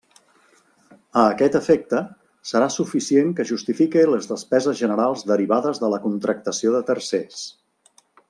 A aquest efecte, serà suficient que justifique les despeses generals derivades de la contractació de tercers.